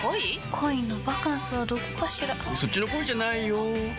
恋のバカンスはどこかしらそっちの恋じゃないよ